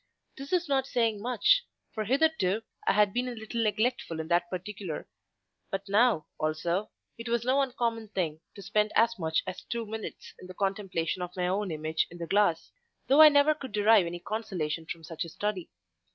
This is not saying much—for hitherto I had been a little neglectful in that particular; but now, also, it was no uncommon thing to spend as much as two minutes in the contemplation of my own image in the glass; though I never could derive any consolation from such a study.